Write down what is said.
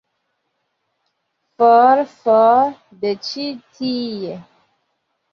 For, for de ĉi tie!